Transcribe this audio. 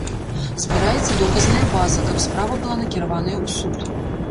Збіраецца доказная база, каб справа была накіраваная ў суд.